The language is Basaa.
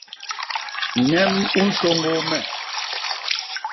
ñem u nsôñgôô me.